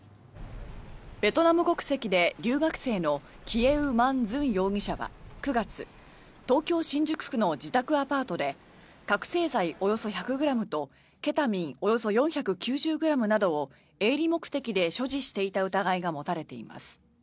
ベトナム国籍で留学生のキエウ・マン・ズン容疑者は９月東京・新宿区の自宅アパートで覚醒剤およそ１００ｇとケタミンおよそ４９０ｇなどを営利目的で所持していた疑いが持たれています。